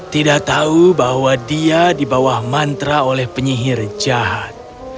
tidak tahu bahwa dia dibawah mantra oleh penyihir jahat